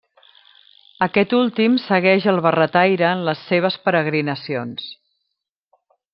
Aquest últim segueix el barretaire en les seves peregrinacions.